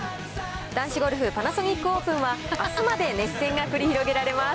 男子ゴルフパナソニックオープンは、あすまで熱戦が繰り広げられます。